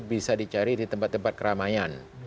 bisa dicari di tempat tempat keramaian